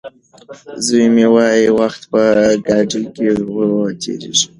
زوی مې وايي وخت په ګاډي کې ورو تېرېږي.